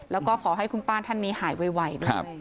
แล้วก็ขอให้คุณป้าท่านนี้หายไวด้วย